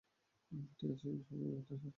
ঠিক আছে, সবাই, ব্যাপারটা সহজভাবে নিন।